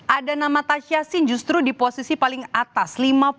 ada nama tasya sin justru di posisi paling atas lima puluh dua satu